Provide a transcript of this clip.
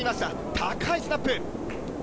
高いスナップ。